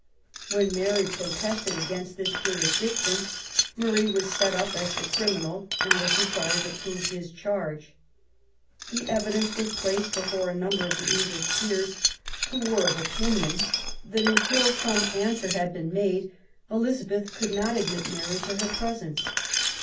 When Mary protested against this jurisdiction, Murray was set up as the criminal and was required to prove his charge. The evidence was placed before a number of the English peers, who were of opinion that until some answer had been made, Elizabeth could not admit Mary to her presence.